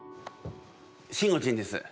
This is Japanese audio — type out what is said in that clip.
しんごちんです。